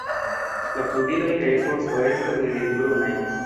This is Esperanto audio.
La flugiloj kaj vosto estas grizbrunaj.